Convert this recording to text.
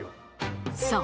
そう！